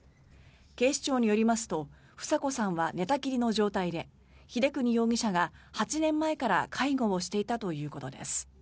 警視庁によりますと房子さんは寝たきりの状態で英邦容疑者が８年前から介護をしていたということです。